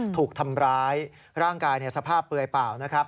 ถูกทำร้ายร่างกายสภาพเปลือยเปล่านะครับ